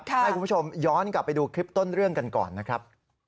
ให้คุณผู้ชมย้อนกลับไปดูคลิปต้นเรื่องกันก่อนนะครับ